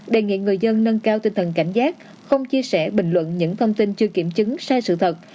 đề nghị người dân nâng cao tinh thần cảnh giác không chia sẻ bình luận những thông tin chưa kiểm chứng sai sự thật